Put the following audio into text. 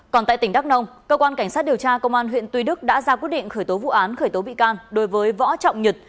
còn tại tỉnh đắk nông cơ quan cảnh sát điều tra công an huyện tuy đức đã ra quyết định khởi tố vụ án khởi tố bị can đối với võ trọng nhật